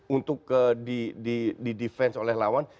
untuk di defense oleh lawan